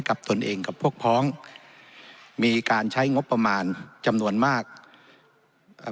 ตนเองกับพวกพ้องมีการใช้งบประมาณจำนวนมากอ่า